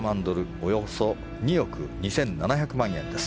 およそ２億２７００万円です。